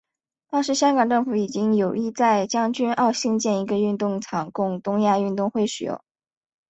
当时香港政府已经有意在将军澳兴建一个运动场供东亚运动会使用。